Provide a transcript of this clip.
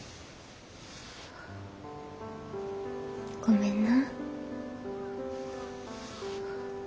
ごめんな。